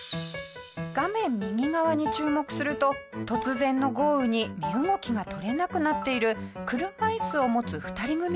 画面右側に注目すると突然の豪雨に身動きが取れなくなっている車いすを持つ２人組がいます。